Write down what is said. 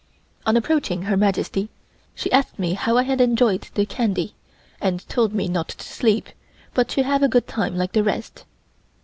On approaching Her Majesty, she asked me how I had enjoyed the candy, and told me not to sleep, but to have a good time like the rest.